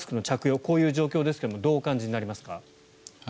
こういう状況ですがどうお感じになりますか？